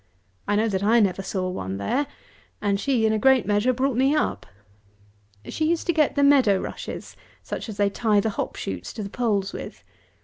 I know that I never saw one there, and she, in a great measure, brought me up. She used to get the meadow rushes, such as they tie the hop shoots to the poles with.